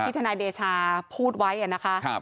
ทนายเดชาพูดไว้นะคะ